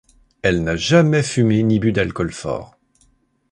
Elle n'a jamais fumé ni bu d'alcools forts.